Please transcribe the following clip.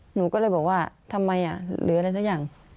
หนูก็เลยบอกว่าทำไมหรืออะไรสักอย่าง